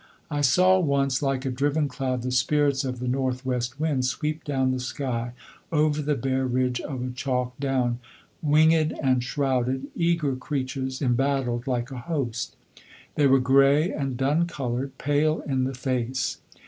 I saw once, like a driven cloud, the spirits of the North west wind sweep down the sky over the bare ridge of a chalk down, winged and shrouded, eager creatures, embattled like a host. They were grey and dun coloured, pale in the face.